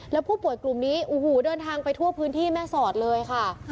แล้วผู้ป่วยกลุ่มนี้โอ้โหเดินทางไปทั่วพื้นที่แม่สอดเลยค่ะ